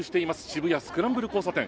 渋谷・スクランブル交差点。